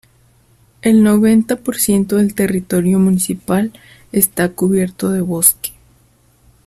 El noventa por ciento del territorio municipal está cubierto de bosque.